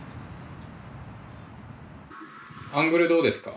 アングルどうですか？